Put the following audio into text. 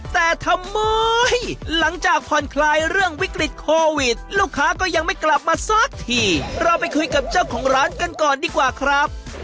แต่ทำไมหลังจากผ่อนคลายเรื่องวิกฤตโควิดลูกค้าก็ยังไม่กลับมาสักทีเราไปคุยกับเจ้าของร้านกันก่อนดีกว่าครับ